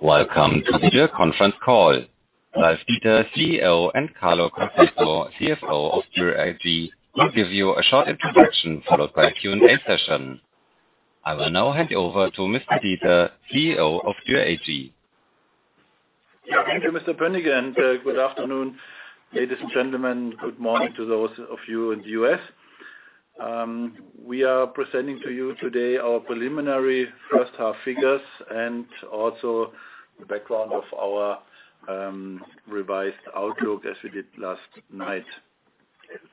Welcome to the Dürr conference call. Ralf Dieter, CEO, and Carlo Crosetto, CFO of Dürr AG, will give you a short introduction followed by a Q&A session. I will now hand over to Mr. Dieter, CEO of Dürr AG. Thank you, Mr. Benner, and good afternoon, ladies and gentlemen. Good morning to those of you in the U.S.. We are presenting to you today our preliminary first-half figures and also the background of our revised outlook as we did last night.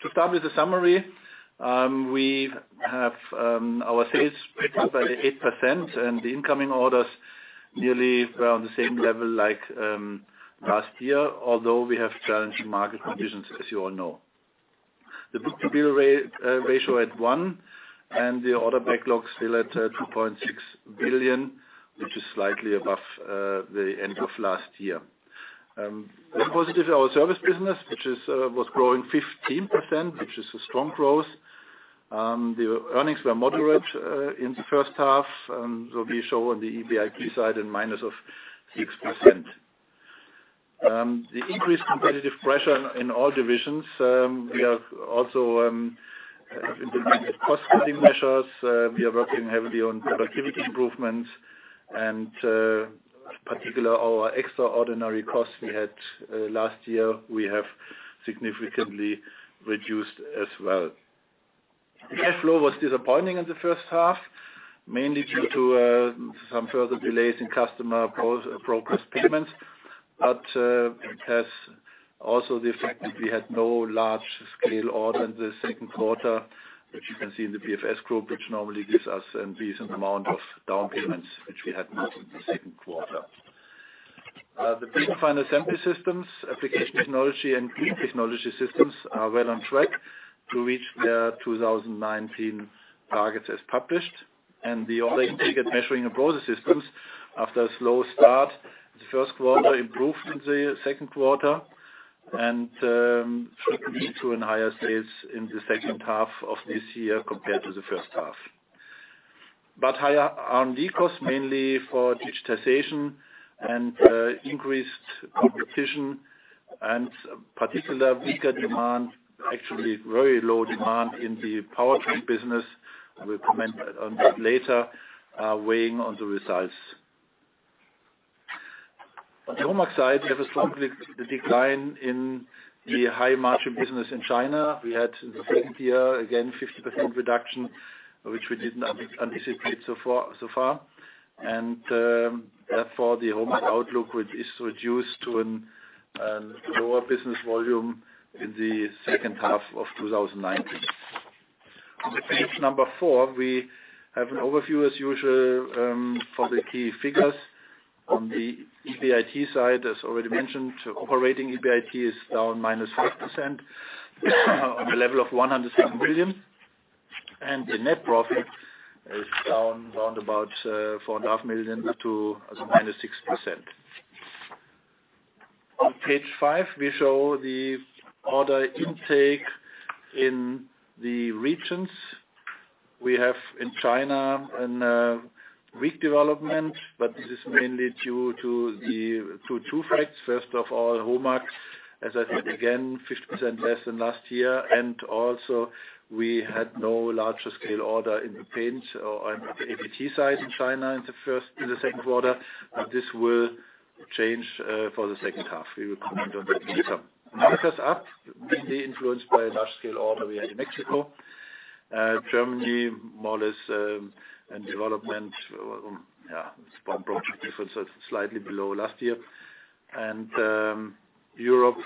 To start with the summary, we have our sales by 8%, and the incoming orders nearly were on the same level like last year, although we have challenging market conditions, as you all know. The book-to-bill ratio at one, and the order backlog still at 2.6 billion, which is slightly above the end of last year. We're positive in our service business, which was growing 15%, which is a strong growth. The earnings were moderate in the first half, so we show on the EBIT side a minus of 6%. The increased competitive pressure in all divisions. We are also implementing cost-cutting measures. We are working heavily on productivity improvements, and in particular, our extraordinary costs we had last year, we have significantly reduced as well. The cash flow was disappointing in the first half, mainly due to some further delays in customer progress payments, but it has also the effect that we had no large-scale order in the second quarter, which you can see in the PFS group, which normally gives us a decent amount of down payments, which we had not in the second quarter. The Paint and Final Assembly Systems, Application Technology, and Clean Technology Systems are well on track to reach their 2019 targets as published, and the order intake at Measuring and Process Systems, after a slow start in the first quarter, improved in the second quarter and should lead to higher sales in the second half of this year compared to the first half. But higher R&D costs, mainly for digitization and increased competition, and particularly weaker demand, actually very low demand in the powertrain business, we'll comment on that later, are weighing on the results. On the OEM side, we have a strong decline in the high-margin business in China. We had in the second quarter again a 50% reduction, which we didn't anticipate so far, and therefore the outlook is reduced to a lower business volume in the second half of 2019. On page number four, we have an overview, as usual, for the key figures. On the EBIT side, as already mentioned, operating EBIT is down minus 5%, on the level of 107 million, and the net profit is down around about 4.5 million to minus 6 million. On page five, we show the order intake in the regions. We have in China a weak development, but this is mainly due to two facts. First of all, OEM market, as I said again, 50% less than last year. And also, we had no larger-scale order in the paint or on the APT side in China in the second quarter, but this will change for the second half. We will comment on that later. North America up, mainly influenced by large-scale order we had in Mexico. Germany, more or less, and development, yeah, it's slightly below last year. And Europe,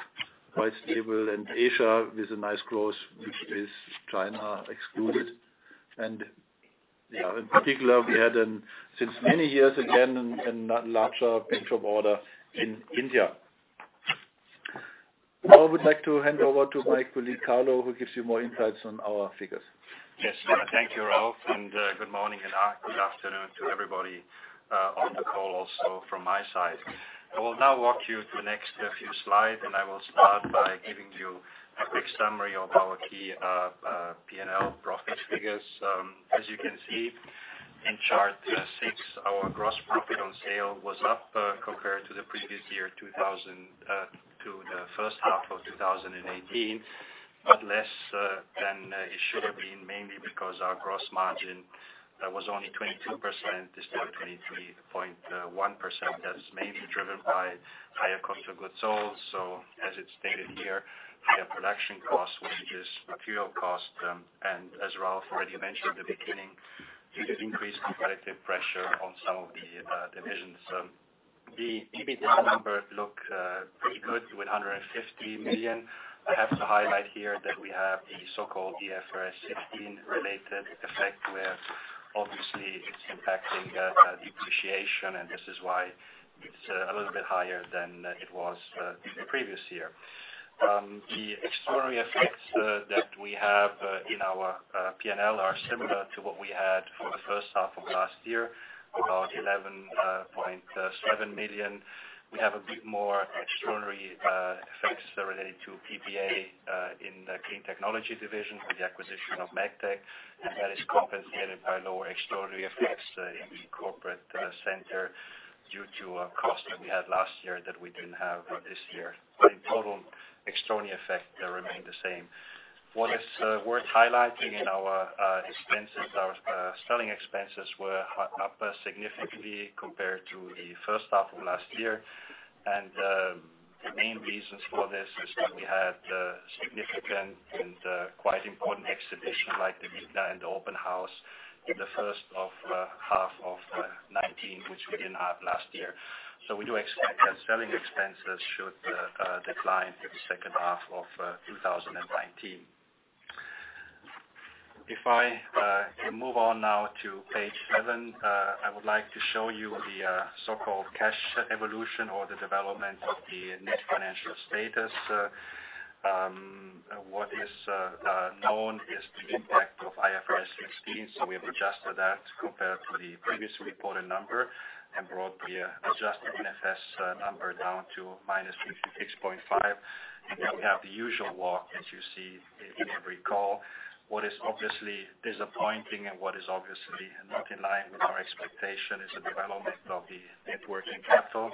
quite stable, and Asia with a nice growth, which is China excluded. And yeah, in particular, we had, since many years again, a larger interim order in India. Now I would like to hand over to my colleague Carlo, who gives you more insights on our figures. Yes, thank you, Ralf, and good morning and good afternoon to everybody on the call also from my side. I will now walk you to the next few slides, and I will start by giving you a quick summary of our key P&L profit figures. As you can see in chart six, our gross profit on sale was up compared to the previous year, to the first half of 2018, but less than it should have been, mainly because our gross margin was only 22% instead of 23.1%. That's mainly driven by higher cost of goods sold. So, as it's stated here, higher production costs, which is material costs, and as Ralf already mentioned in the beginning, it increased competitive pressure on some of the divisions. The EBIT number looked pretty good with 150 million. I have to highlight here that we have the so-called IFRS 16-related effect, where obviously it's impacting depreciation, and this is why it's a little bit higher than it was the previous year. The extraordinary effects that we have in our P&L are similar to what we had for the first half of last year, about 11.7 million. We have a bit more extraordinary effects related to PPA in the Clean Technology division with the acquisition of B&W MEGTEC, and that is compensated by lower extraordinary effects in the Corporate Center due to costs that we had last year that we didn't have this year. But in total, extraordinary effects remain the same. What is worth highlighting in our expenses, our selling expenses were up significantly compared to the first half of last year. And the main reasons for this is that we had significant and quite important exhibitions like the LIGNA and the Open House in the first half of 2019, which we didn't have last year. So we do expect that selling expenses should decline in the second half of 2019. If I move on now to page seven, I would like to show you the so-called cash evolution or the development of the net financial status. What is known is the impact of IFRS 16, so we have adjusted that compared to the previously reported number and brought the adjusted NFS number down to -66.5 million. And then we have the usual walk, as you see in every call. What is obviously disappointing and what is obviously not in line with our expectation is the development of the net working capital,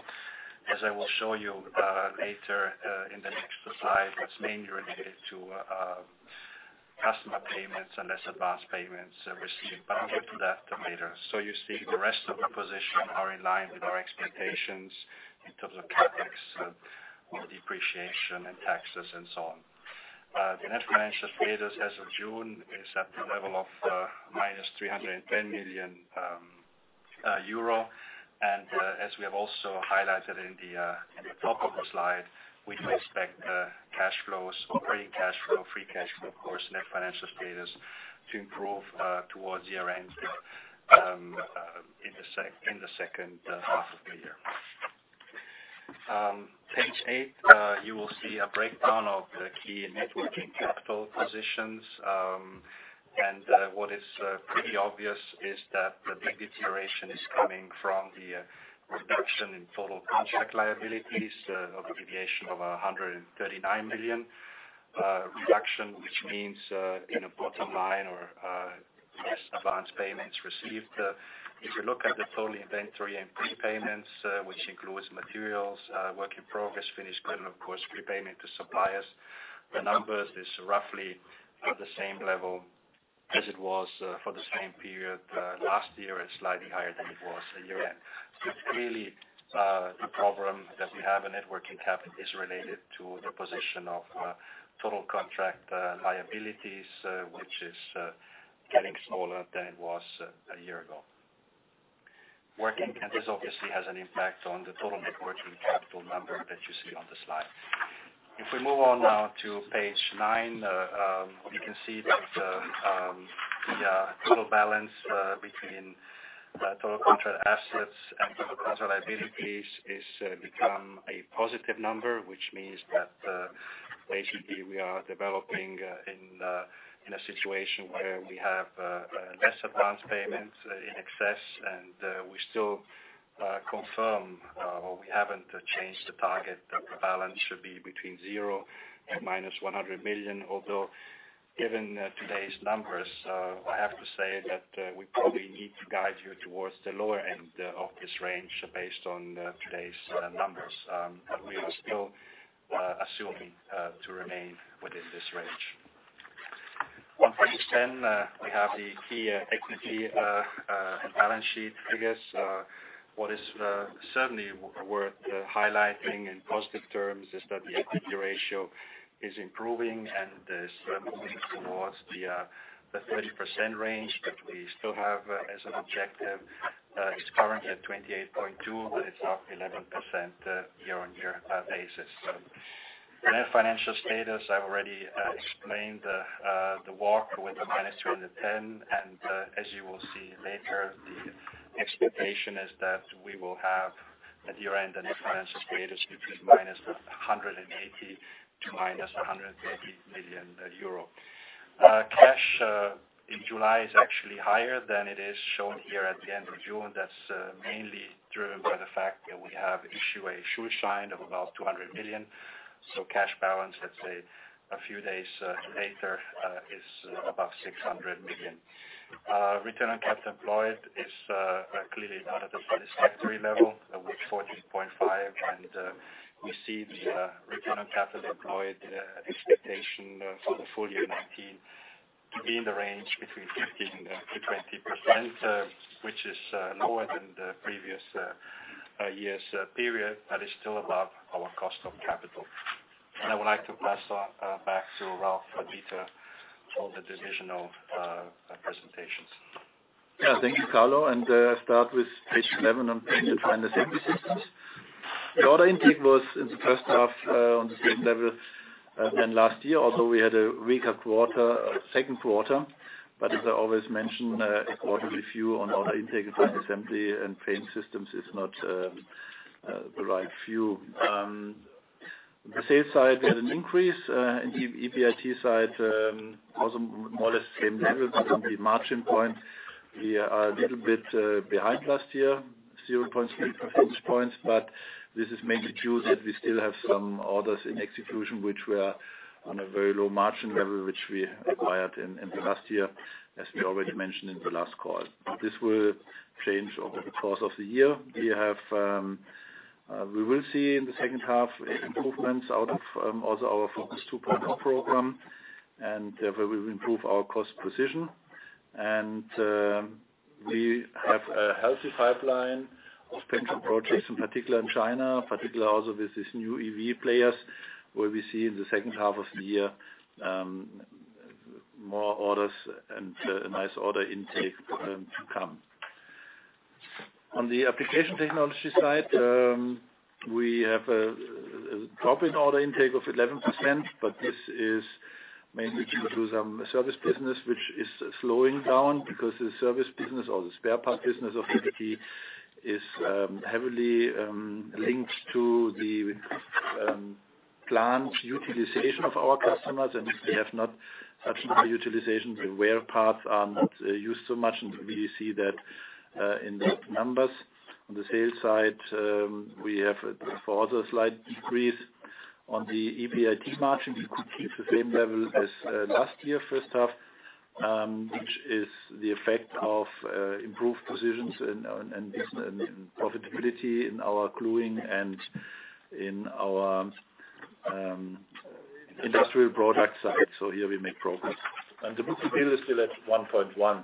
as I will show you later in the next slide. That's mainly related to customer payments and less advance payments received. But I'll get to that later. So you see the rest of the positions are in line with our expectations in terms of CapEx or depreciation and taxes and so on. The net financial status as of June is at the level of -310 million euro. And as we have also highlighted in the top of the slide, we do expect cash flows, operating cash flow, free cash flow, of course, net financial status to improve towards year-end in the second half of the year. Page eight, you will see a breakdown of the key net working capital positions. What is pretty obvious is that the big deterioration is coming from the reduction in total contract liabilities of a deviation of 139 million reduction, which means in a bottom line or less advanced payments received. If you look at the total inventory and prepayments, which includes materials, work in progress, finished goods, and of course, prepayment to suppliers, the numbers are roughly at the same level as it was for the same period last year and slightly higher than it was year-end. It's clearly a problem that we have in net working capital is related to the position of total contract liabilities, which is getting smaller than it was a year ago. Work inventories obviously has an impact on the total net working capital number that you see on the slide. If we move on now to page nine, you can see that the total balance between total contract assets and total contract liabilities has become a positive number, which means that basically we are developing in a situation where we have less advanced payments in excess, and we still confirm or we haven't changed the target that the balance should be between zero and -100 million. Although, given today's numbers, I have to say that we probably need to guide you towards the lower end of this range based on today's numbers. But we are still assuming to remain within this range. On page ten, we have the key equity and balance sheet figures. What is certainly worth highlighting in positive terms is that the equity ratio is improving and is moving towards the 30% range, but we still have as an objective. It's currently at 28.2%, but it's up 11% year-on-year basis. Net financial status, I've already explained the walk with -310. And as you will see later, the expectation is that we will have at year-end a net financial status between -180 million to -130 million euro. Cash in July is actually higher than it is shown here at the end of June. That's mainly driven by the fact that we have issued a Schuldschein of about 200 million. So cash balance, let's say a few days later, is about 600 million. Return on capital employed is clearly not at a satisfactory level with 14.5%. And we see the return on capital employed expectation for the full year 2019 to be in the range between 15% to 20%, which is lower than the previous year's period, but it's still above our cost of capital. I would like to pass back to Ralf Dieter on the divisional presentations. Yeah, thank you, Carlo. And I'll start with page 11 on Paint and Final Assembly Systems. The order intake was in the first half on the same level than last year, although we had a weaker quarter, second quarter. But as I always mention, a quarterly view on order intake and Paint and Final Assembly Systems is not the right view. On the sales side, we had an increase. In the EBIT side, also more or less the same level, but on the margin point, we are a little bit behind last year, 0.65 points. But this is mainly due to that we still have some orders in execution, which were on a very low margin level, which we acquired in the last year, as we already mentioned in the last call. This will change over the course of the year. We will see in the second half improvements out of also our FOCUS 2.0 program, and we will improve our cost position. We have a healthy pipeline of potential projects, in particular in China, particularly also with these new EV players, where we see in the second half of the year more orders and a nice order intake to come. On the Application Technology side, we have a drop in order intake of 11%, but this is mainly due to some service business, which is slowing down because the service business or the spare part business of APT is heavily linked to the planned utilization of our customers. If we have not such a good utilization, the wear parts aren't used so much, and we see that in the numbers. On the sales side, we have for other slight decrease. On the EBIT margin, we could keep the same level as last year, first half, which is the effect of improved positions and profitability in our gluing and in our industrial product side. So here we make progress, and the book-to-bill is still at 1.1.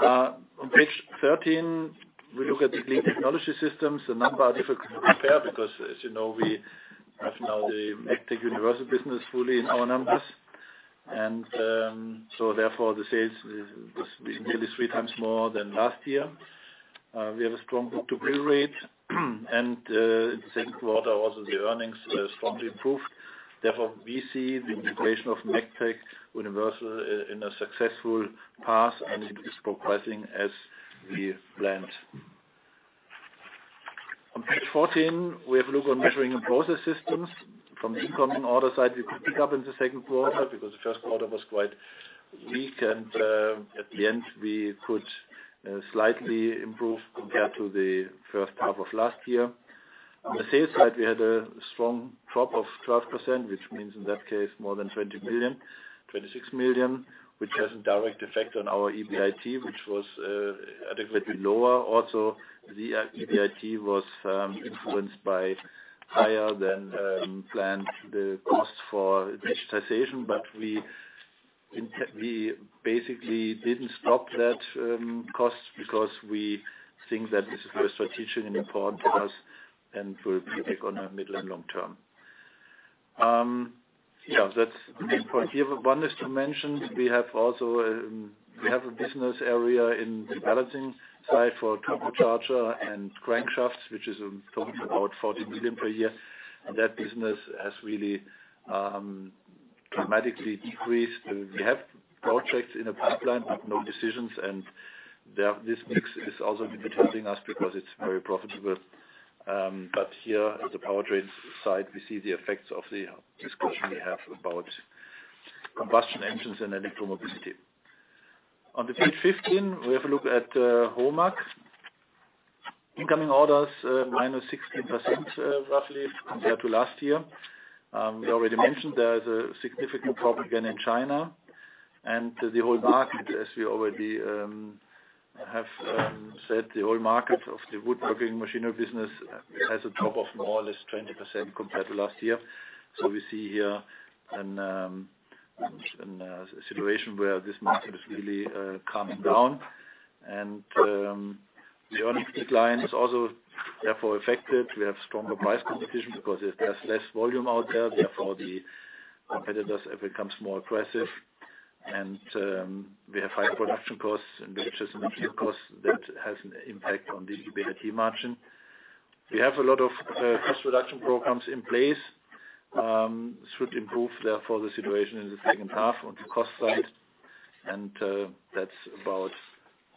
On page 13, we look at the Clean Technology Systems. The number is difficult to compare because, as you know, we have now the B&W MEGTEC and B&W Universal business fully in our numbers. And so therefore, the sales is nearly three times more than last year. We have a strong book-to-bill rate. And in the second quarter, also the earnings strongly improved. Therefore, we see the integration of B&W MEGTEC and B&W Universal in a successful path and is progressing as we planned. On page 14, we have a look on Measuring and Process Systems. From the incoming order side, we could pick up in the second quarter because the first quarter was quite weak, and at the end, we could slightly improve compared to the first half of last year. On the sales side, we had a strong drop of 12%, which means in that case more than 20 million, 26 million, which has a direct effect on our EBIT, which was adequately lower. Also, the EBIT was influenced by higher than planned costs for digitization, but we basically didn't stop that cost because we think that this is very strategic and important for us and will take on a middle and long term. Yeah, that's the main point here. One is to mention we have a business area in the balancing side for turbocharger and crankshafts, which is about 40 million per year. That business has really dramatically decreased. We have projects in a pipeline, but no decisions, and this mix is also a bit helping us because it's very profitable, but here, at the powertrain side, we see the effects of the discussion we have about combustion engines and electromobility. On the page 15, we have a look at HOMAG. Incoming orders minus 16% roughly compared to last year. We already mentioned there is a significant problem again in China, and the whole market, as we already have said, the whole market of the woodworking machinery business has a drop of more or less 20% compared to last year, so we see here a situation where this market is really calming down, and the earnings decline is also therefore affected. We have stronger price competition because there's less volume out there. Therefore, the competitors have become more aggressive. We have high production costs, which is an improved cost that has an impact on the EBIT margin. We have a lot of cost reduction programs in place. This would improve, therefore, the situation in the second half on the cost side. That's about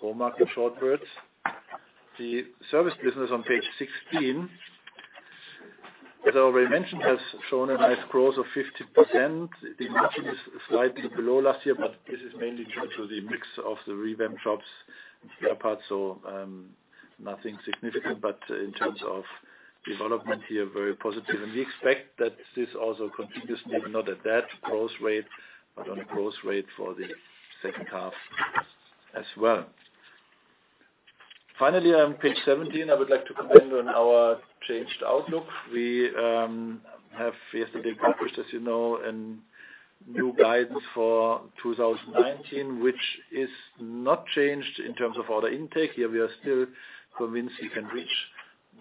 HOMAG in short words. The service business on page 16, as I already mentioned, has shown a nice growth of 50%. The margin is slightly below last year, but this is mainly due to the mix of the revamped shops and spare parts. So nothing significant, but in terms of development here, very positive. We expect that this also continues to be not at that growth rate, but on a growth rate for the second half as well. Finally, on page 17, I would like to comment on our changed outlook. We have yesterday published, as you know, a new guidance for 2019, which is not changed in terms of order intake. Here, we are still convinced we can reach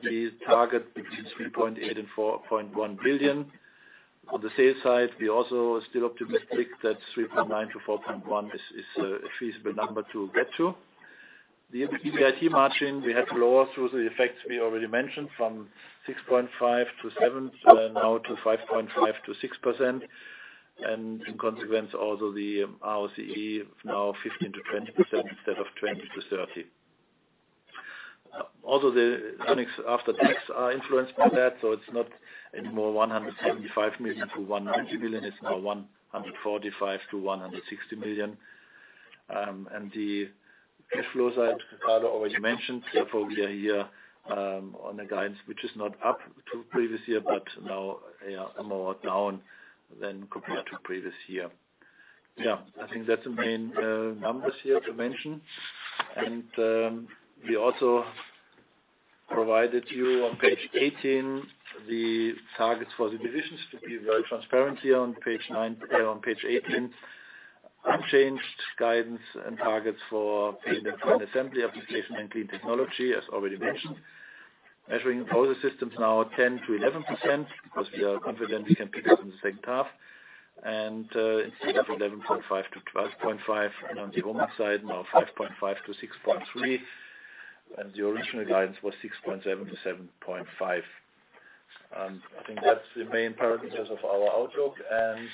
the target between 3.8 billion and 4.1 billion. On the sales side, we are also still optimistic that 3.9 billion-4.1 billion is a feasible number to get to. The EBIT margin, we had lower through the effects we already mentioned from 6.5%-7%, now to 5.5%-6%. And in consequence, also the ROCE is now 15%-20% instead of 20%-30%. Also, the earnings after tax are influenced by that. So it's not anymore 175 million-190 million. It's now 145 million-160 million. And the cash flow side, as Carlo already mentioned, therefore we are here on a guidance which is not up to previous year, but now more down than compared to previous year. Yeah, I think that's the main numbers here to mention. And we also provided you on page 18 the targets for the divisions to be very transparent here on page 18. Unchanged guidance and targets for Paint and Final Assembly Systems and Clean Technology Systems, as already mentioned. Measuring and Process Systems now 10%-11% because we are confident we can pick up in the second half. And instead of 11.5%-12.5% on the HOMAG side, now 5.5%-6.3%. And the original guidance was 6.7%-7.5%. I think that's the main parameters of our outlook. And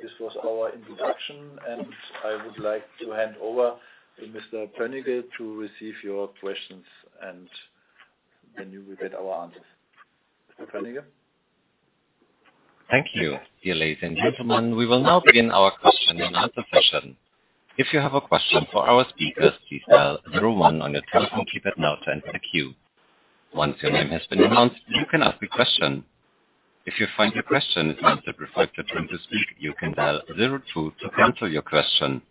this was our introduction. And I would like to hand over to Mr. Benner to receive your questions, and then you will get our answers. Mr. Benner? Thank you. Dear ladies and gentlemen, we will now begin our question and answer session. If you have a question for our speakers, please dial zero one on your telephone keypad now to enter the queue. Once your name has been announced, you can ask a question. If you find your question is not the perfect time to speak, you can dial zero two to cancel your question.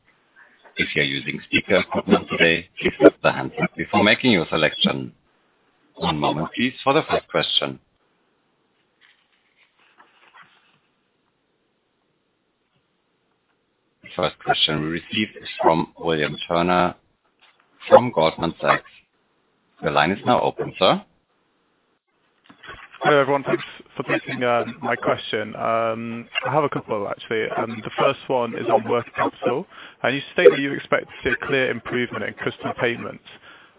If you are using speaker equipment today, please put the hand up before making your selection. One moment, please, for the first question. The first question we received is from William Turner from Goldman Sachs. Your line is now open, sir. Hi everyone, thanks for taking my question. I have a couple actually. The first one is on working capital. And you state that you expect to see a clear improvement in customer payments.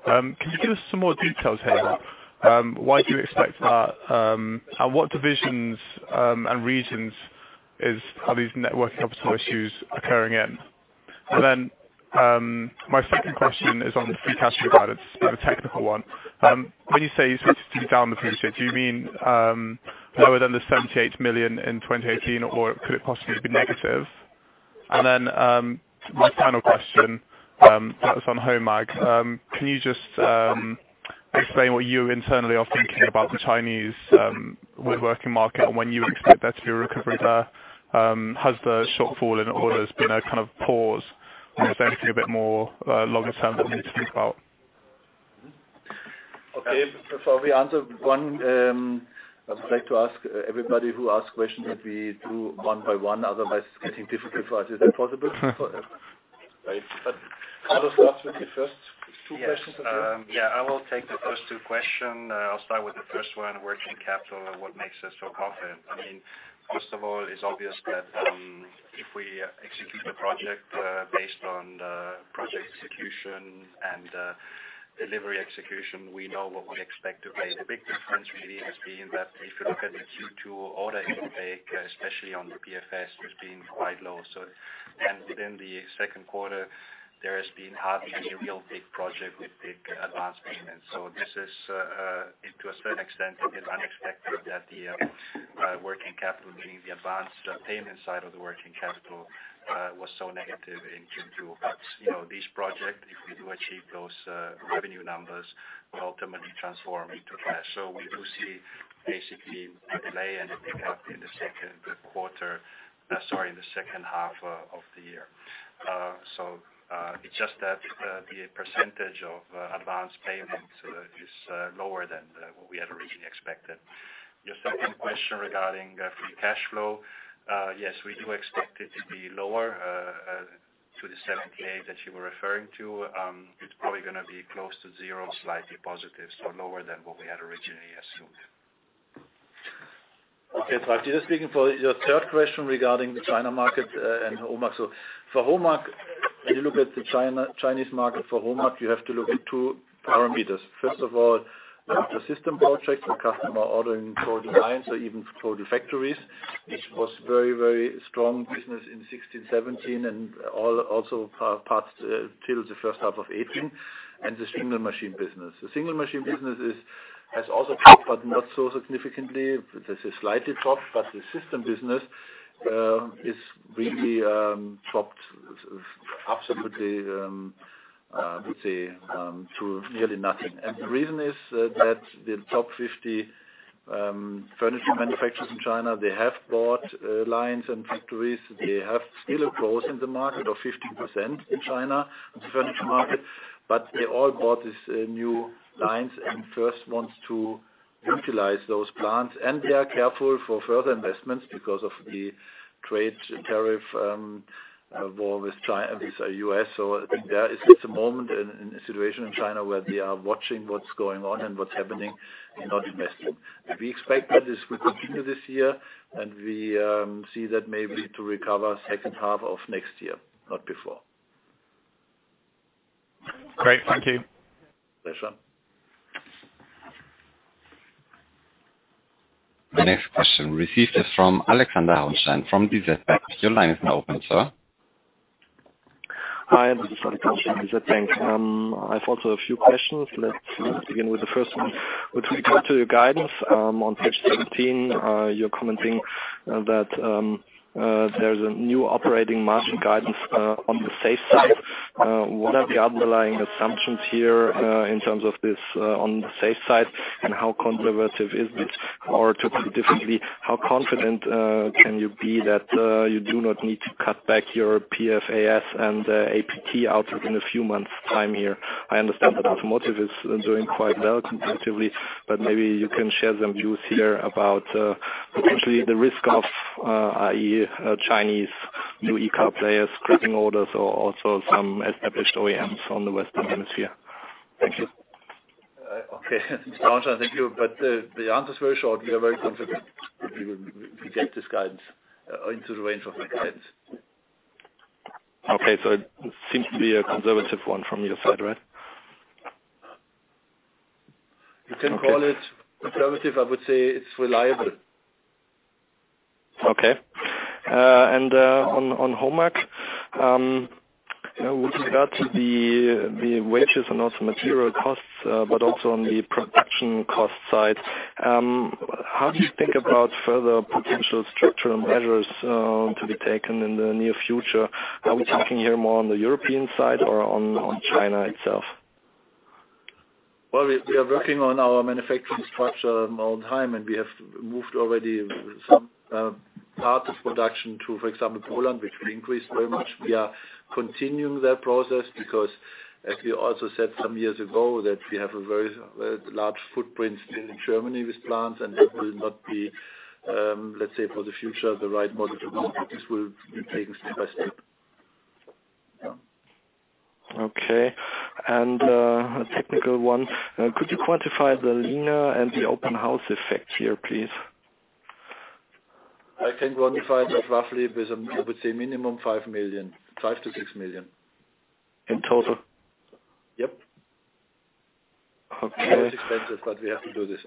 Can you give us some more details here? Why do you expect that? And what divisions and regions are these net working capital issues occurring in? And then my second question is on the free cash flow guidance, the technical one. When you say it's supposed to be down in the future, do you mean lower than the 78 million in 2018, or could it possibly be negative? And then my final question, that was on HOMAG. Can you just explain what you internally are thinking about the Chinese woodworking market and when you expect there to be a recovery there? Has the shortfall in orders been a kind of pause? Is there anything a bit more long-term that we need to think about? Okay, before we answer one, I would like to ask everybody who asks questions that we do one by one. Otherwise, it's getting difficult for us. Is that possible? But Carlo starts with the first two questions, I think. Yeah, I will take the first two questions. I'll start with the first one, working capital, what makes us so confident? I mean, first of all, it's obvious that if we execute the project based on project execution and delivery execution, we know what we expect to pay. The big difference really has been that if you look at the Q2 order intake, especially on the PFS, has been quite low. And within the second quarter, there has been hardly any real big project with big advance payments. So this is, to a certain extent, it is unexpected that the working capital, meaning the advance payment side of the working capital, was so negative in Q2. But these projects, if we do achieve those revenue numbers, will ultimately transform into cash. So we do see basically a delay in the second quarter, sorry, in the second half of the year. So it's just that the percentage of advance payments is lower than what we had originally expected. Your second question regarding free cash flow, yes, we do expect it to be lower than the 78 that you were referring to. It's probably going to be close to zero, slightly positive, so lower than what we had originally assumed. Okay, so I'm just speaking for your third question regarding the China market and HOMAG. So for HOMAG, when you look at the Chinese market for HOMAG, you have to look at two parameters. First of all, the system projects for customer ordering for designs, so even for total factories, which was very, very strong business in 2016, 2017, and also parts till the first half of 2018, and the single machine business. The single machine business has also dropped, but not so significantly. This is slightly dropped, but the system business is really dropped absolutely, I would say, to nearly nothing. And the reason is that the top 50 furniture manufacturers in China, they have bought lines and factories. They have still a growth in the market of 15% in China in the furniture market. But they all bought these new lines and first want to utilize those plants. And they are careful for further investments because of the trade tariff war with the U.S.. So there is a moment and a situation in China where they are watching what's going on and what's happening and not investing. We expect that this will continue this year, and we see that maybe to recover second half of next year, not before. Great, thank you. My next question received is from Alexander Hauenstein from DZ Bank. Your line is now open, sir. Hi, this is Alexander from DZ Bank. I have also a few questions. Let's begin with the first one. With regard to your guidance on page 17, you're commenting that there's a new operating margin guidance on the safe side. What are the underlying assumptions here in terms of this on the safe side, and how conservative is it? Or to put it differently, how confident can you be that you do not need to cut back your PFS and APT outlook within a few months' time here? I understand that automotive is doing quite well comparatively, but maybe you can share some views here about potentially the risk of, i.e., Chinese new e-car players scrapping orders or also some established OEMs on the Western Hemisphere. Thank you. Okay, Mr. Hauenstein, thank you. But the answer is very short. We are very confident that we will get this guidance into the range of the guidance. Okay, so it seems to be a conservative one from your side, right? You can call it conservative. I would say it's reliable. Okay. And on HOMAG, with regard to the wages and also material costs, but also on the production cost side, how do you think about further potential structural measures to be taken in the near future? Are we talking here more on the European side or on China itself? We are working on our manufacturing structure all the time, and we have moved already some parts of production to, for example, Poland, which we increased very much. We are continuing that process because, as we also said some years ago, that we have a very large footprint still in Germany with plants, and that will not be, let's say, for the future, the right model to do. This will be taken step by step. Okay. And a technical one. Could you quantify the LIGNA and the open house effect here, please? I can quantify that roughly with, I would say, minimum 5 million, 5 million-6 million. In total? Yep. Okay. It's expensive, but we have to do this.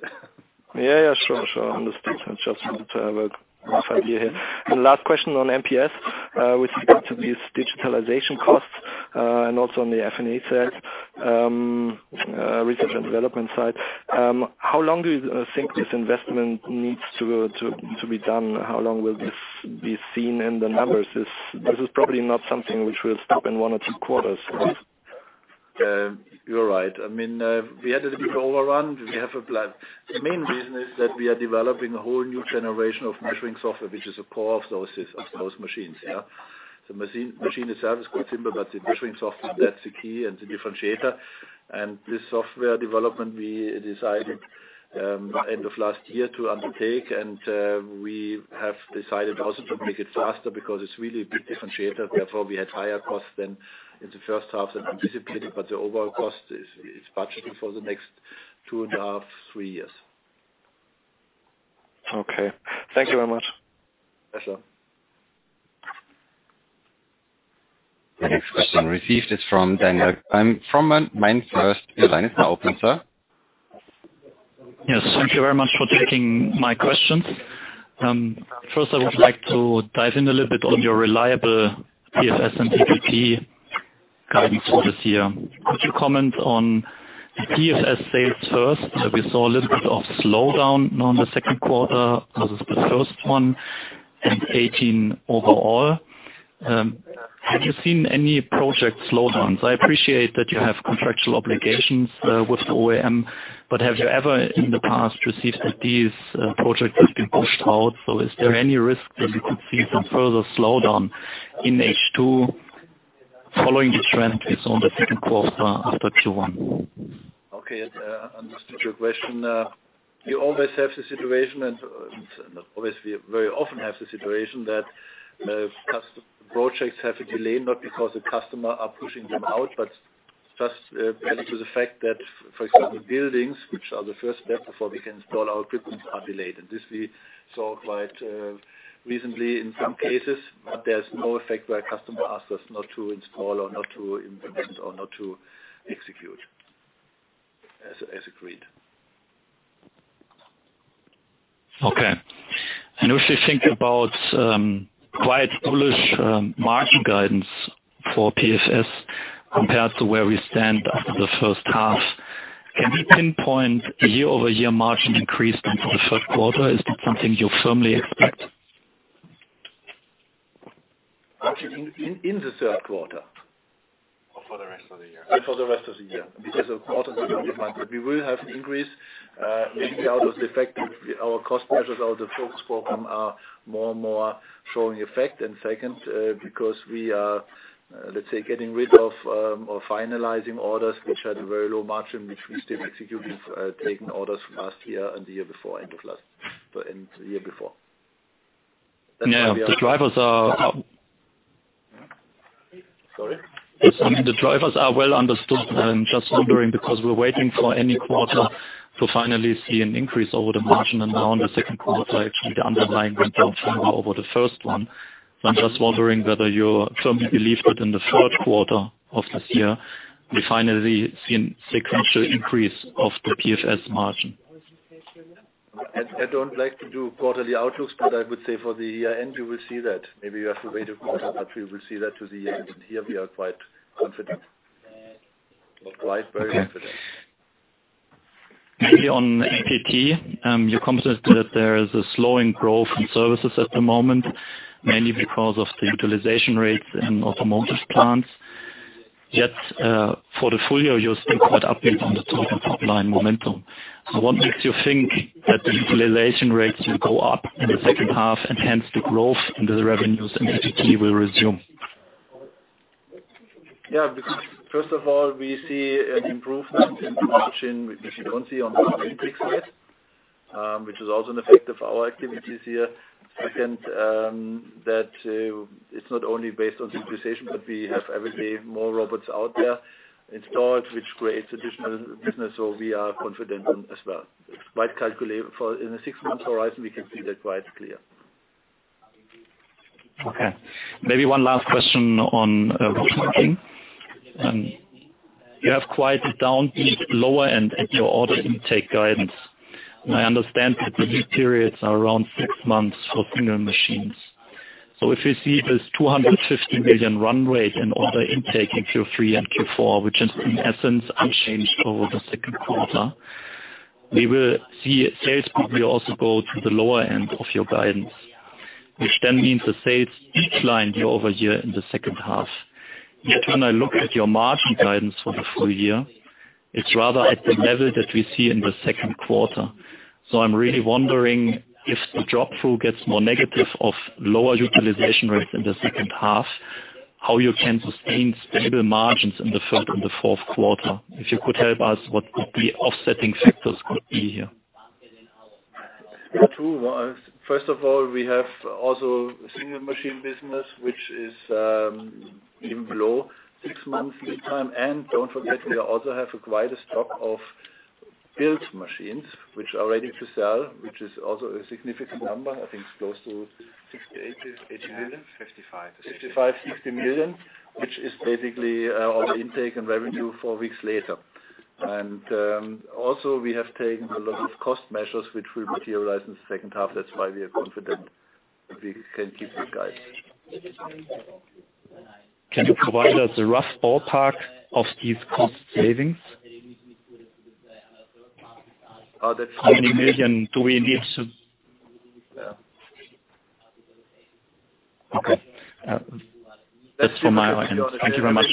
Yeah, yeah, sure, sure. Understood. I just wanted to have a quick idea here. And last question on MPS, with regard to these digitalization costs and also on the F&E side, research and development side. How long do you think this investment needs to be done? How long will this be seen in the numbers? This is probably not something which will stop in one or two quarters. You're right. I mean, we had a little bit of overrun. We have a plan. The main reason is that we are developing a whole new generation of measuring software, which is a core of those machines. The machine itself is quite simple, but the measuring software, that's the key and the differentiator, and this software development, we decided end of last year to undertake, and we have decided also to make it faster because it's really a big differentiator. Therefore, we had higher costs than in the first half than anticipated, but the overall cost is budgeted for the next two and a half, three years. Okay. Thank you very much. Yes, sir. My next question received is from Daniel Gleim from MainFirst, your line is now open, sir. Yes, thank you very much for taking my questions. First, I would like to dive in a little bit on your reliable PFS and PPP guidance for this year. Could you comment on the PFS sales first? We saw a little bit of slowdown on the second quarter versus the first one in 2018 overall. Have you seen any project slowdowns? I appreciate that you have contractual obligations with the OEM, but have you ever in the past received that these projects have been pushed out? So is there any risk that you could see some further slowdown in H2 following the trend we saw in the second quarter after Q1? Okay, I understood your question. You always have the situation, and obviously, very often have the situation that projects have a delay, not because the customers are pushing them out, but just due to the fact that, for example, buildings, which are the first step before we can install our equipment, are delayed, and this we saw quite recently in some cases, but there's no effect where a customer asks us not to install or not to implement or not to execute as agreed. Okay. And if we think about quite bullish margin guidance for PFS compared to where we stand after the first half, can we pinpoint year-over-year margin increase into the first quarter? Is that something you firmly expect? In the third quarter? For the rest of the year. For the rest of the year, because of quarterly margins, we will have an increase, mainly out of the fact that our cost measures or the focus program are more and more showing effect. And second, because we are, let's say, getting rid of or finalizing orders which had a very low margin, which we still executed, taking orders last year and the year before. Yeah, the drivers are. Sorry? The drivers are well understood. I'm just wondering because we're waiting for any quarter to finally see an increase in the margin and now in the second quarter, actually, the underlying win, though, over the first one. So I'm just wondering whether you firmly believe that in the third quarter of this year, we finally see a sequential increase of the PFS margin? I don't like to do quarterly outlooks, but I would say for the year-end, you will see that. Maybe you have to wait a quarter, but we will see that to the year-end. And here, we are quite confident. Not quite, very confident. Mainly on APT, you commented that there is a slowing growth in services at the moment, mainly because of the utilization rates in automotive plants. Yet for the full year, you're still quite upbeat on the total supply momentum. So what makes you think that the utilization rates will go up in the second half and hence the growth in the revenues and APT will resume? Yeah, because first of all, we see an improvement in the margin which we don't see on the intake side, which is also an effect of our activities here. Second, that it's not only based on utilization, but we have every day more robots out there installed, which creates additional business, so we are confident as well. It's quite calculated. In a six-month horizon, we can see that quite clear. Okay. Maybe one last question on routing. You have quite downbeat lower end at your order intake guidance. I understand that the lead periods are around six months for single machines. So if we see this 250 million run rate in order intake in Q3 and Q4, which is in essence unchanged over the second quarter, we will see sales probably also go to the lower end of your guidance, which then means the sales declined year over year in the second half. Yet when I look at your margin guidance for the full year, it's rather at the level that we see in the second quarter. So I'm really wondering if the drop-through gets more negative of lower utilization rates in the second half, how you can sustain stable margins in the third and the fourth quarter. If you could help us, what would the offsetting factors be here? True. First of all, we have also a single machine business, which is even below six months lead time, and don't forget, we also have quite a stock of built machines, which are ready to sell, which is also a significant number. I think it's close to 60 million-80 million. 55. 55-60 million, which is basically all the intake and revenue four weeks later. And also, we have taken a lot of cost measures, which will materialize in the second half. That's why we are confident we can keep this guidance. Can you provide us a rough ballpark of these cost savings? How many million do we need to? Okay. That's from my end. Thank you very much.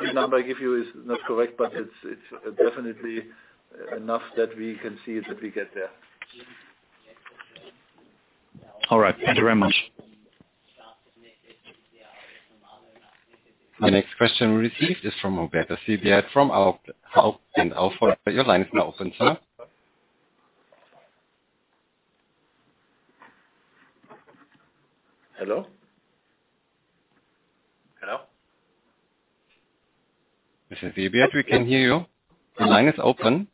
The number I give you is not correct, but it's definitely enough that we can see that we get there. All right. Thank you very much. My next question received is from Rodolphe Cebrian from AlphaValue, your line is now open, sir. Hello? Hello? Mr. Cebrian, we can't hear you. Your line is open.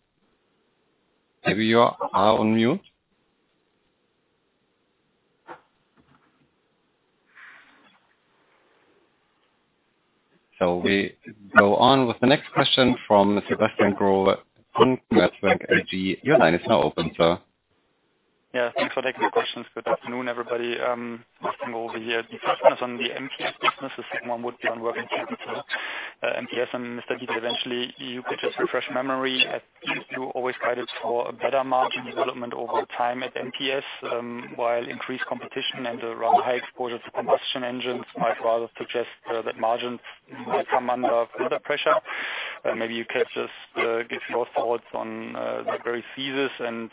Maybe you are on mute. So we go on with the next question from Sebastian Growe from Commerzbank AG. Your line is now open, sir. Yeah. Thanks for taking the questions. Good afternoon, everybody. I'm asking over here, the question is on the MPS business. The second one would be on working capital MPS. And Mr. Dieter, eventually, you could just refresh memory as you always guided for a better margin development over time at MPS, while increased competition and a rather high exposure to combustion engines might rather suggest that margins come under further pressure. Maybe you could just give your thoughts on the various thesis. And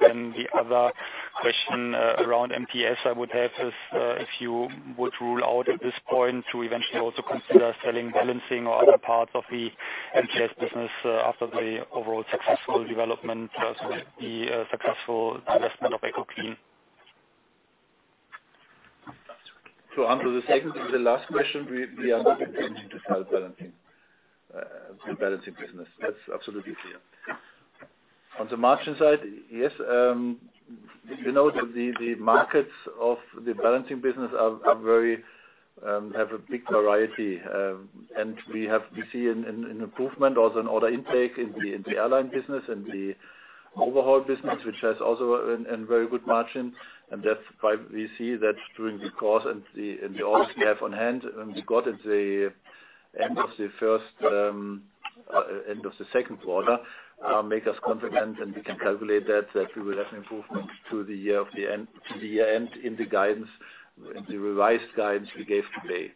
then the other question around MPS I would have is if you would rule out at this point to eventually also consider selling balancing or other parts of the MPS business after the overall successful development versus the successful investment of Ecoclean. To answer the second and the last question, we are not intending to sell balancing business. That's absolutely clear. On the margin side, yes. We know that the markets of the balancing business have a big variety, and we see an improvement also in order intake in the airline business and the overhaul business, which has also a very good margin. And that's why we see that during the course and the orders we have on hand, when we got at the end of the first, end of the second quarter, make us confident, and we can calculate that we will have an improvement to the year-end in the guidance, in the revised guidance we gave today.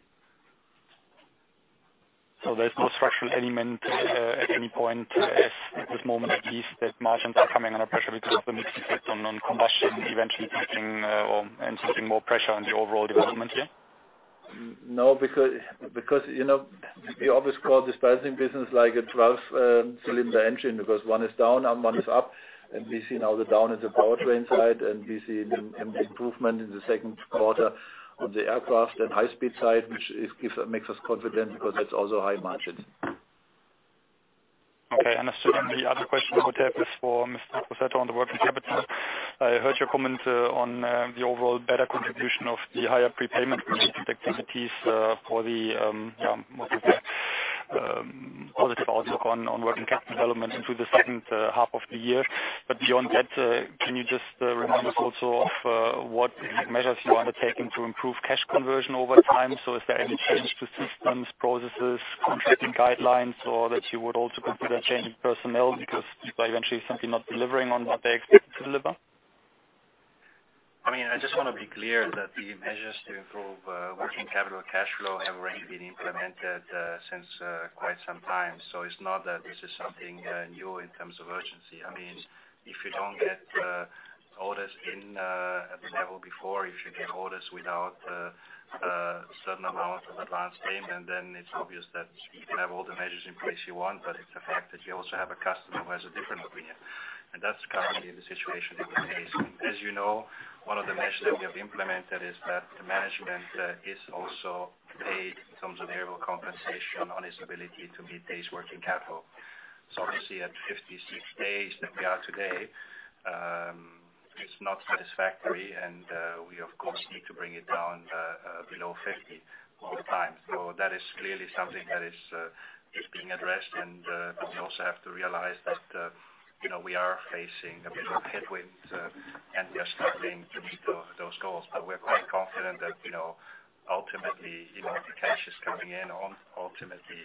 So there's no structural element at any point at this moment, at least, that margins are coming under pressure because of the mixed effect on combustion, eventually pushing and seeking more pressure on the overall development here? No, because we always call this balancing business like a 12-cylinder engine because one is down and one is up. And we see now the down in the powertrain side, and we see an improvement in the second quarter on the aircraft and high-speed side, which makes us confident because it's also high margins. Okay. Understood, and the other question I would have is for Mr. Crosetto on the working capital. I heard your comment on the overall better contribution of the higher prepayment activities for the positive outlook on working capital development into the second half of the year. But beyond that, can you just remind us also of what measures you are undertaking to improve cash conversion over time? So is there any change to systems, processes, contracting guidelines, or that you would also consider changing personnel because people are eventually simply not delivering on what they expect to deliver? I mean, I just want to be clear that the measures to improve working capital cash flow have already been implemented since quite some time. So it's not that this is something new in terms of urgency. I mean, if you don't get orders in at the level before, if you get orders without a certain amount of advance payment, then it's obvious that you can have all the measures in place you want, but it's a fact that you also have a customer who has a different opinion. And that's currently the situation in this case. And as you know, one of the measures that we have implemented is that the management is also paid in terms of variable compensation on his ability to meet his working capital. So obviously, at 56 days that we are today, it's not satisfactory, and we, of course, need to bring it down below 50 all the time. So that is clearly something that is being addressed, and we also have to realize that we are facing a bit of headwind, and we are struggling to meet those goals. But we're quite confident that ultimately, the cash is coming in. Ultimately,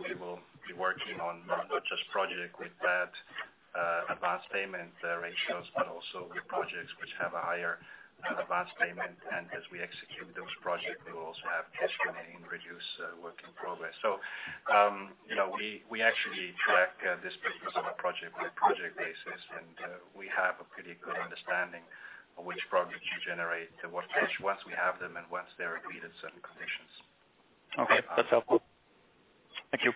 we will be working on not just projects with bad advance payment ratios, but also with projects which have a higher advance payment. And as we execute those projects, we will also have cash coming in, reduce work in progress. So we actually track this business on a project-by-project basis, and we have a pretty good understanding of which projects generate what cash, once we have them and once they're agreed at certain conditions. Okay. That's helpful. Thank you.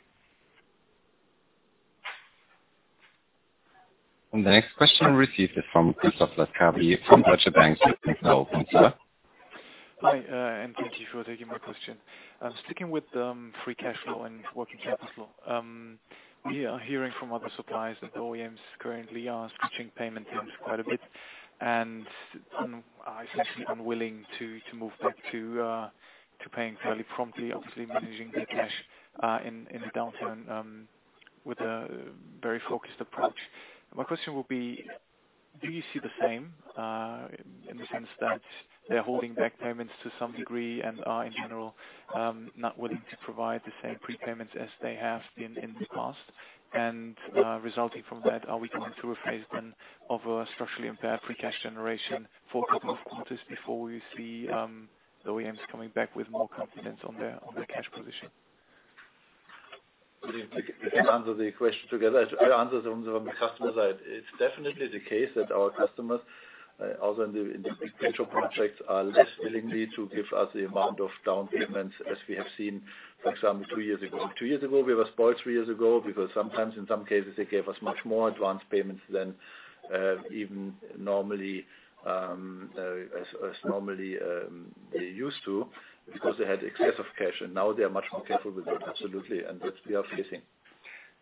And the next question received is from Christoph Laskawi from Deutsche Bank. You can start, sir. Hi. Thank you for taking my question. Sticking with free cash flow and working capital flow, we are hearing from other suppliers that OEMs currently are switching payment terms quite a bit, and I see them willing to move back to paying fairly promptly, obviously managing the cash in the downturn with a very focused approach. My question will be, do you see the same in the sense that they're holding back payments to some degree and are, in general, not willing to provide the same prepayments as they have been in the past? Resulting from that, are we going to a phase then of a structurally impaired free cash generation for a couple of quarters before we see the OEMs coming back with more confidence on their cash position? To answer the question together, I answer from the customer side. It's definitely the case that our customers, also in the big venture projects, are less willing to give us the amount of down payments as we have seen, for example, two years ago. Two years ago, we were spoiled three years ago because sometimes, in some cases, they gave us much more advance payments than even normally as normally they used to because they had excess of cash. And now they are much more careful with that. Absolutely. And that's what we are facing.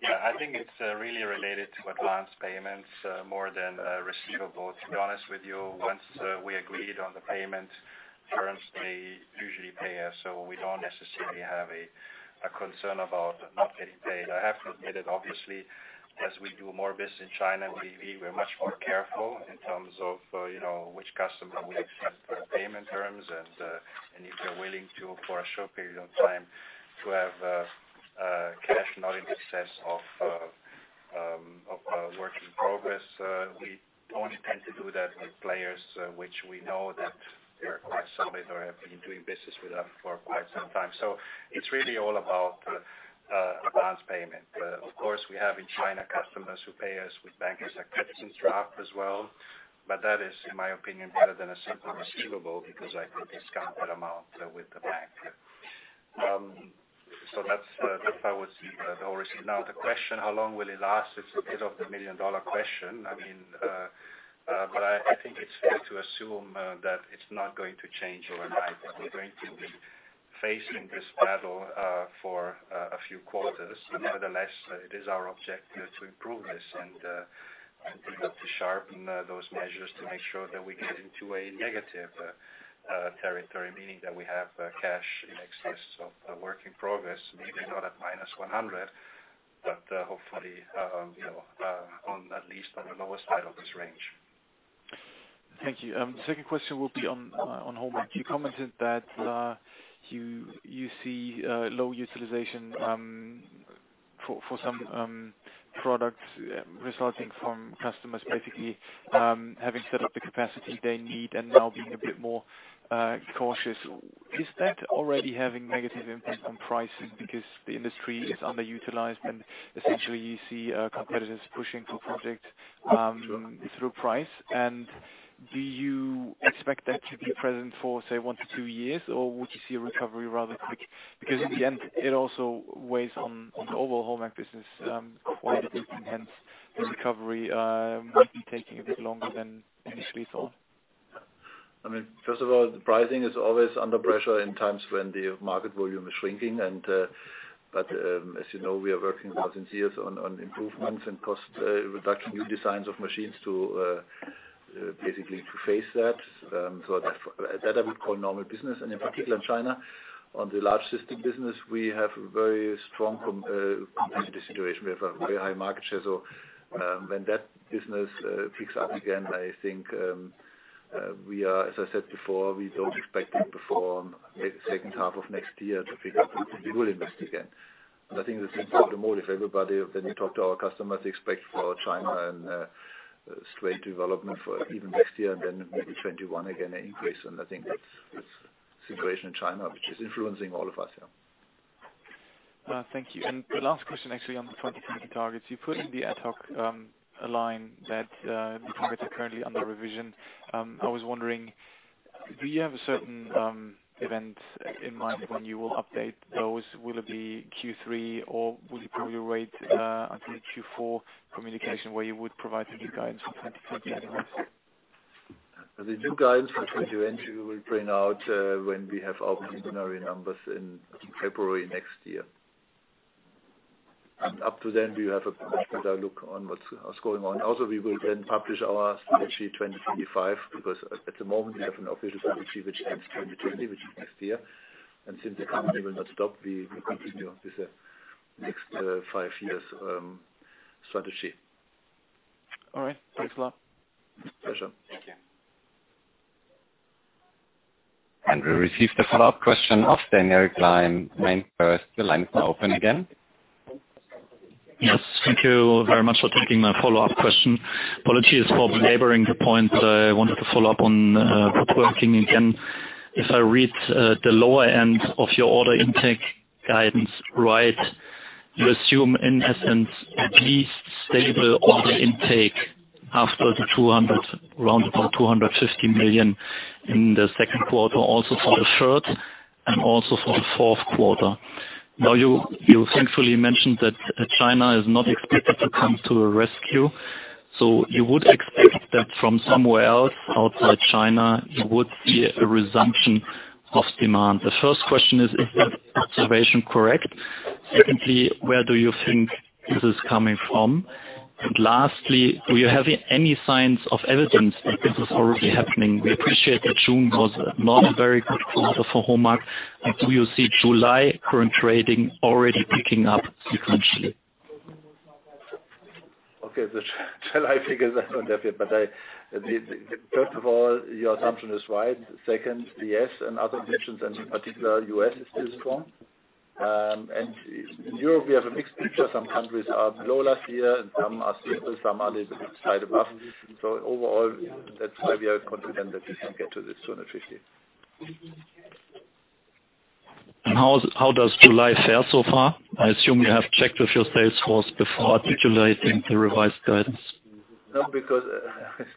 Yeah. I think it's really related to advance payments more than receivables. To be honest with you, once we agreed on the payment terms, they usually pay us, so we don't necessarily have a concern about not getting paid. I have to admit it, obviously, as we do more business in China, we're much more careful in terms of which customer we accept for payment terms and if they're willing to, for a short period of time, to have cash not in excess of work in progress. We only tend to do that with players which we know are quite solid or have been doing business with them for quite some time. So it's really all about advance payment. Of course, we have in China customers who pay us with bank acceptance bills as well, but that is, in my opinion, better than a simple receivable because I could discount that amount with the bank. So that's how I would see the whole picture. Now, the question, how long will it last, it's a bit of the million-dollar question. I mean, but I think it's fair to assume that it's not going to change overnight. We're going to be facing this battle for a few quarters. Nevertheless, it is our objective to improve this and to sharpen those measures to make sure that we get into a negative territory, meaning that we have cash in excess of work in progress, maybe not at -100, but hopefully at least on the lower side of this range. Thank you. The second question will be on hold. You commented that you see low utilization for some products resulting from customers basically having set up the capacity they need and now being a bit more cautious. Is that already having negative impact on pricing because the industry is underutilized and essentially you see competitors pushing for projects through price? And do you expect that to be present for, say, one to two years, or would you see a recovery rather quick? Because in the end, it also weighs on the overall paint business quite a bit, and hence the recovery might be taking a bit longer than initially thought. I mean, first of all, pricing is always under pressure in times when the market volume is shrinking. But as you know, we are working now since years on improvements and cost reduction, new designs of machines to basically face that. So that I would call normal business. And in particular, in China, on the large system business, we have a very strong competitive situation. We have a very high market share. So when that business picks up again, I think we are, as I said before, we don't expect it before the second half of next year to pick up. We will invest again. And I think that's the most important motive. Everybody, when you talk to our customers, they expect for China stagnant development for even next year and then maybe 2021 again, an increase. I think that's the situation in China, which is influencing all of us here. Thank you. And the last question, actually, on the 2020 targets. You put in the ad hoc line that the targets are currently under revision. I was wondering, do you have a certain event in mind when you will update those? Will it be Q3, or will you probably wait until Q4 communication where you would provide some new guidance for 2020 anyways? The new guidance for 2020 we will bring out when we have our preliminary numbers in February next year. And up to then, we will have a much better look on what's going on. Also, we will then publish our Strategy 2025 because at the moment, we have an official strategy which ends 2020, which is next year. And since the company will not stop, we continue with the next five years strategy. All right. Thanks a lot. Pleasure. Thank you. We received a follow-up question of Daniel Gleim, MainFirst, the line is now open again. Yes. Thank you very much for taking my follow-up question. Apology for belaboring the point, but I wanted to follow up on woodworking again. If I read the lower end of your order intake guidance right, you assume in essence at least stable order intake after the 200 million, around about 250 million in the second quarter, also for the third and also for the fourth quarter. Now, you thankfully mentioned that China is not expected to come to a rescue. So you would expect that from somewhere else outside China, you would see a resumption of demand. The first question is, is that observation correct? Secondly, where do you think this is coming from? And lastly, do you have any signs of evidence that this is already happening? We appreciate that June was not a very good quarter for HOMAG. Do you see July current trading already picking up sequentially? Okay. July figures, I don't have it, but first of all, your assumption is right. Second, yes, and other regions, and in particular, the U.S. is still strong, and in Europe, we have a mixed picture. Some countries are below last year, and some are stable, some are a little bit higher, so overall, that's why we are confident that we can get to this 250 million. How does July fare so far? I assume you have checked with your sales force before articulating the revised guidance. No, because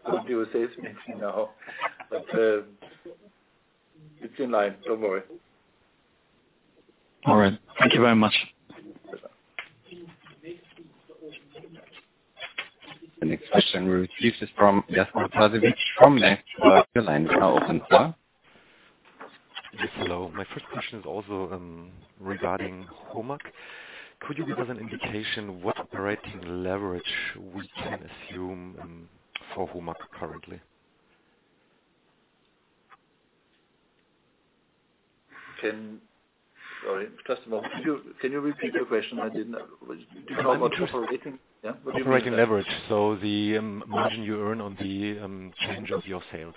I don't do sales meeting now. But it's in line. Don't worry. All right. Thank you very much. The next question we received is from from. Your line is now open as well. Hello. My first question is also regarding HOMAG. Could you give us an indication what operating leverage we can assume for HOMAG currently? Sorry. can you repeat the question? I didn't know what operating leverage. Yeah. What do you mean by operating leverage? So the margin you earn on the change of your sales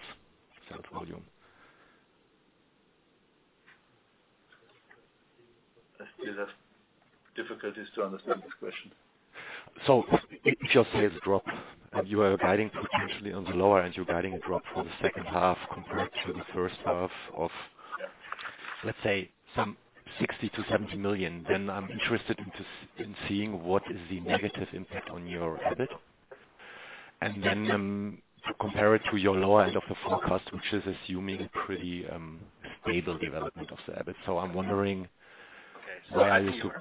volume. I still have difficulties to understand this question. So if your sales drop and you are guiding potentially on the lower end, you're guiding a drop for the second half compared to the first half of, let's say, some 60 million-70 million, then I'm interested in seeing what is the negative impact on your EBIT. And then compare it to your lower end of the forecast, which is assuming a pretty stable development of the EBIT. So I'm wondering why are you still.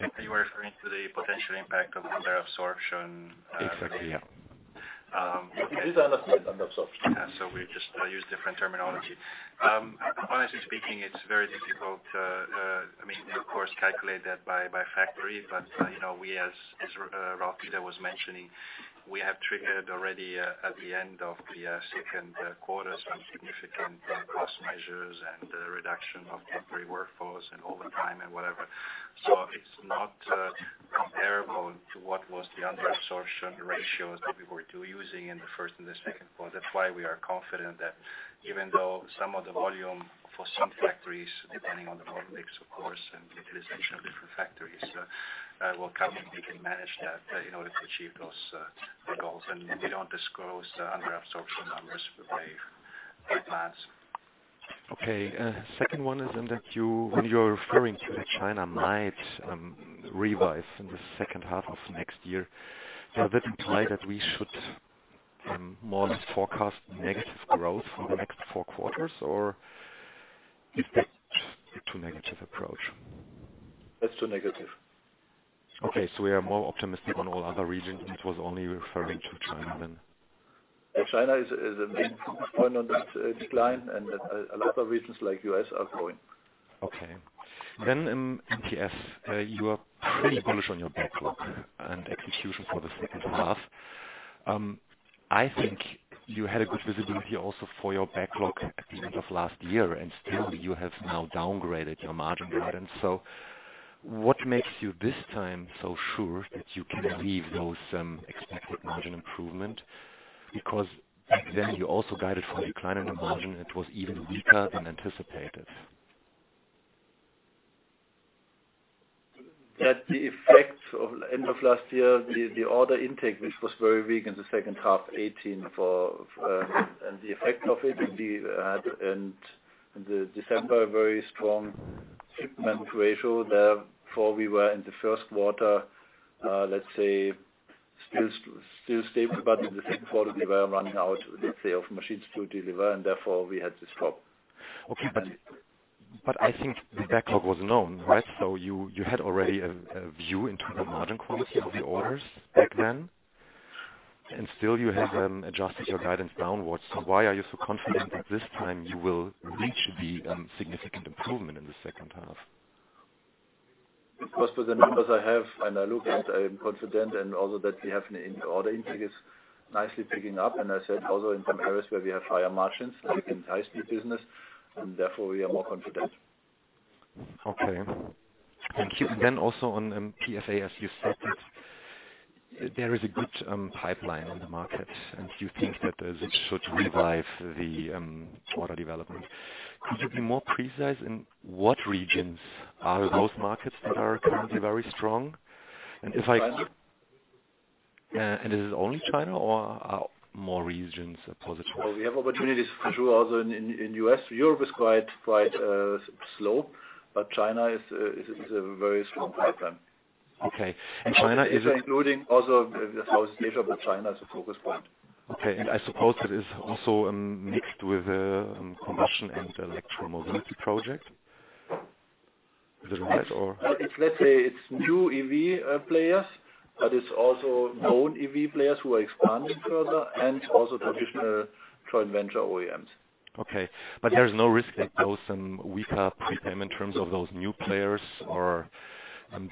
Are you referring to the potential impact of underabsorption? Exactly. Yeah. What is understanding underabsorption? Yeah. So we just use different terminology. Honestly speaking, it's very difficult to, I mean, of course, calculate that by factory, but we, as Ralf Dieter was mentioning, we have triggered already at the end of the second quarter some significant cost measures and reduction of temporary workforce and overtime and whatever. So it's not comparable to what was the underabsorption ratios that we were using in the first and the second quarter. That's why we are confident that even though some of the volume for some factories, depending on the volume, mix of course, and utilization of different factories, will come and we can manage that in order to achieve those goals. And we don't disclose underabsorption numbers with the plans. Okay. Second one is, in that when you are referring to the China market might revive in the second half of next year, does that imply that we should more or less forecast negative growth for the next four quarters, or is that too negative approach? That's too negative. Okay. So we are more optimistic on all other regions, and it was only referring to China then. China is a main point on this decline, and a lot of regions like the U.S. are growing. Okay, then MPS, you are pretty bullish on your backlog and execution for the second half. I think you had a good visibility also for your backlog at the end of last year, and still you have now downgraded your margin guidance. So what makes you this time so sure that you can leave those expected margin improvement? Because then you also guided for a decline in the margin, and it was even weaker than anticipated. That's the effect from the end of last year, the order intake, which was very weak in the second half of 2018, and the effect of it, we had in December very strong book-to-bill ratio. Therefore, we were in the first quarter, let's say, still stable, but in the second quarter, we were running out, let's say, of machines to deliver, and therefore we had to stop. Okay. But I think the backlog was known, right? So you had already a view into the margin quality of the orders back then, and still you have adjusted your guidance downwards. So why are you so confident that this time you will reach the significant improvement in the second half? It was for the numbers I have, and I look at. I am confident, and also that we have an order intake is nicely picking up. I said also in some areas where we have higher margins, we can handle high-speed business, and therefore we are more confident. Okay. Thank you. And then also on PFS, as you said, there is a good pipeline on the market, and you think that this should revive the order development. Could you be more precise in what regions are those markets that are currently very strong? And is it only China, or are more regions positive? We have opportunities for sure also in the U.S. Europe is quite slow, but China is a very strong pipeline. Okay, and China is it. Including also Southeast Asia, but China is the focus point. Okay, and I suppose that is also mixed with combustion and electric mobility projects. Is that right, or? Let's say it's new EV players, but it's also known EV players who are expanding further and also traditional joint venture OEMs. Okay. But there's no risk that those weaker prepayment terms of those new players or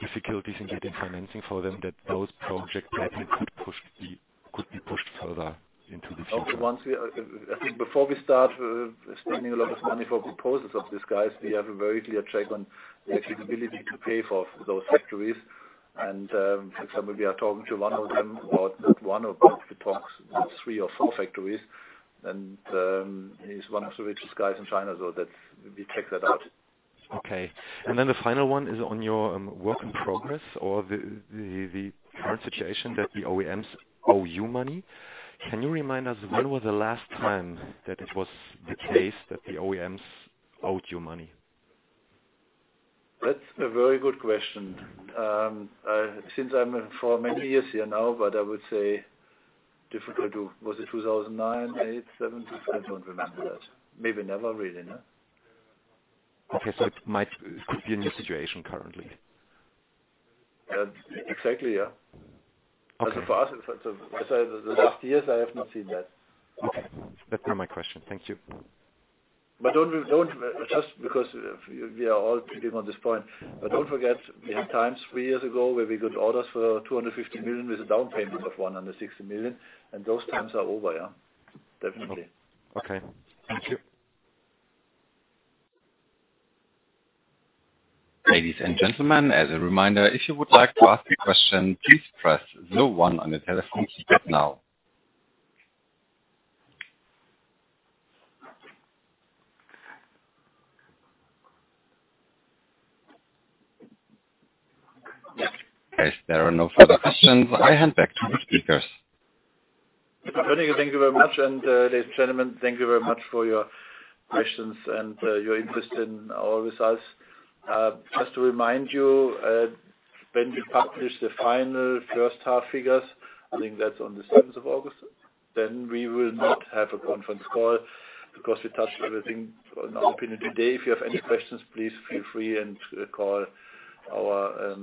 difficulties in getting financing for them, that those projects could be pushed further into the future? I think before we start spending a lot of money for proposals of these guys, we have a very clear check on the capability to pay for those factories, and for example, we are talking to one of them about not one of them, but we talked with three or four factories, and he's one of the richest guys in China, so we check that out. Okay. And then the final one is on your work in progress or the current situation that the OEMs owe you money. Can you remind us when was the last time that it was the case that the OEMs owed you money? That's a very good question. Since I'm for many years here now, but I would say difficult to say, was it 2009, 2008, 2007? I don't remember that. Maybe never really. Okay, so it could be a new situation currently. Exactly. Yeah. Okay. So for us, as I said, the last years, I have not seen that. Okay. That's for my question. Thank you. But don't just because we are all picking on this point. But don't forget, we had times three years ago where we got orders for 250 million with a down payment of 160 million, and those times are over. Yeah. Definitely. Okay. Thank you. Ladies and gentlemen, as a reminder, if you would like to ask a question, please press zero one on the telephone keypad now. If there are no further questions, I hand back to the speakers. Benner, thank you very much. And ladies and gentlemen, thank you very much for your questions and your interest in our results. Just to remind you, when we publish the final first half figures, I think that's on the 7th of August, then we will not have a conference call because we touched everything on our opinion today. If you have any questions, please feel free and call our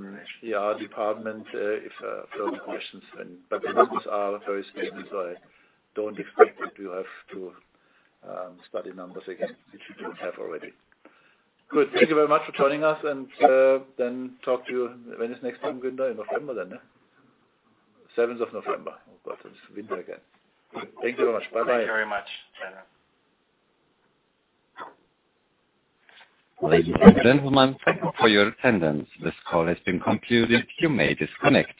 department if there are further questions. But the numbers are very stable, so I don't expect you to have to study numbers again, which you don't have already. Good. Thank you very much for joining us, and then talk to you when is next time, Günter, in November then? 7th of November. Oh God, it's winter again. Thank you very much. Bye-bye. Thank you very much, Benner. Ladies and gentlemen, thank you for your attendance. This call has been concluded. You may disconnect.